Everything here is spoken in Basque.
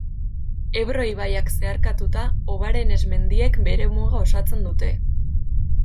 Ebro ibaiak zeharkatuta, Obarenes mendiek bere muga osatzen dute.